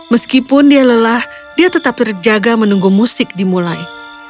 meskipun dia lelah dia tetap terjaga menunggu musik dimulai